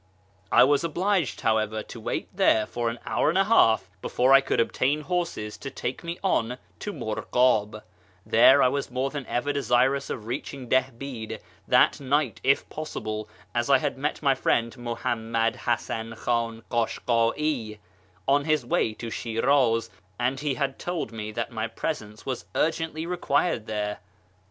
I was obliged, however, to wait tliere for an hour and a half before I could obtain horses to take me on to Murghi'ib ; though I was more than ever desirous of reaching Dihbid that night if possible, as I had met my friend Muhammad Hasan Khan Kashka'i on his way to Shiraz, and he had told me that my presence was urgently required there.